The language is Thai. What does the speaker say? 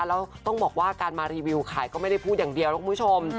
แล้วต้องบอกว่าการมารีวิวขายก็ไม่ได้พูดอย่างเดียวนะคุณผู้ชม